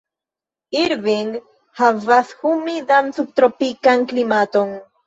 Irving havas humidan subtropikan klimaton.